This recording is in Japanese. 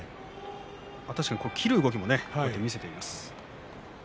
切る動きも見せています。